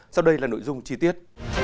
sau đây là nội dung chi tiết